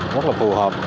rất là phù hợp